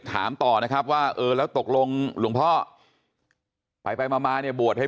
ถามต่อนะครับว่าเออแล้วตกลงหลวงพ่อไปไปมามาเนี่ยบวชให้